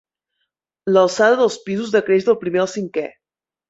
L'alçada dels pisos decreix del primer al cinquè.